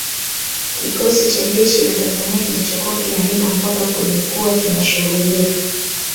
Kikosi cha jeshi la Tanzania kilichokuwa kinalinda mpaka kilikuwa kinashuhudia